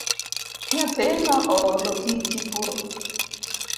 Nyathino oolo gi gi tuo